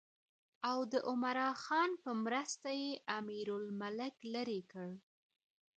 او د عمرا خان په مرسته یې امیرالملک لرې کړ.